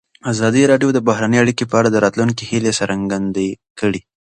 ازادي راډیو د بهرنۍ اړیکې په اړه د راتلونکي هیلې څرګندې کړې.